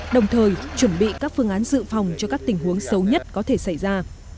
đồng thời chuẩn bị các phương án dự phòng cho các tình huống xấu nhất có thể xảy ra